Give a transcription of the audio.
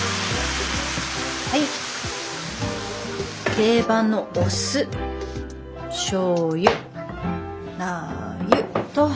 定番のお酢しょうゆラー油と。